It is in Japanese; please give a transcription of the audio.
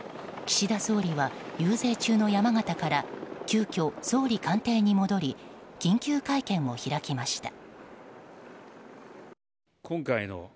岸田総理は遊説中の山形から急きょ総理官邸に戻り緊急会見を開きました。